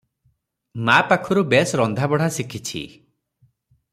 ମା ପାଖରୁ ବେଶ ରନ୍ଧାବଢ଼ା ଶିଖିଛି ।